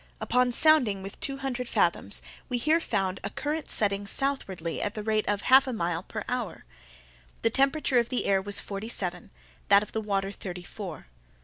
Upon sounding with two hundred fathoms, we here found a current setting southwardly at the rate of half a mile per hour. The temperature of the air was forty seven, that of the water thirty four.